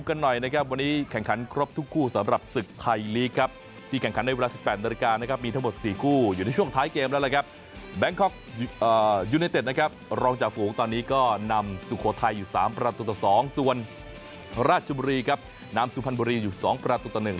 ก็นำสุโครไทยอยู่๓ประตูตอนนึงส่วนราชบุรีครับนำสุพันธบุรีอยู่๒ประตูตอนนึง